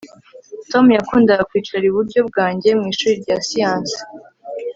Tom yakundaga kwicara iburyo bwanjye mu ishuri rya siyanse